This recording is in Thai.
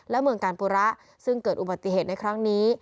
และเมืองกาลปุระซึ่งเกิดอุบัติเหตุในครั้งนี้